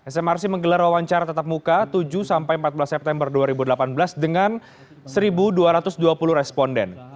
smrc menggelar wawancara tetap muka tujuh empat belas september dua ribu delapan belas dengan satu dua ratus dua puluh responden